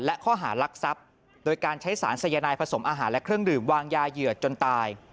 และข้อหารักทรัพย์โดยการใช้สารสายนายผสมอาหารและเครื่องดื่มวางยาเหยื่อจนตาย